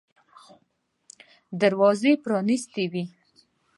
دروازې پرانیستې وې.